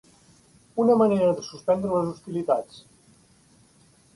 Una manera de suspendre les hostilitats.